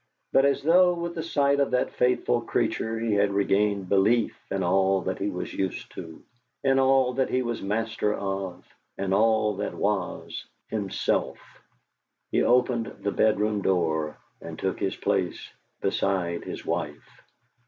But, as though with the sight of that faithful creature he had regained belief in all that he was used to, in all that he was master of, in all that was himself, he opened the bedroom door and took his place beside his wife.